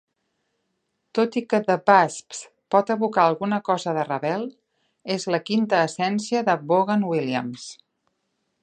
Tot i que "The Wasps" pot evocar alguna cosa de Ravel, és la quinta essència de Vaughan Williams.